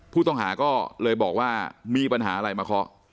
ผู้ต้องหาก็เลยบอกว่ามีปัญหาอะไรมาเคาะ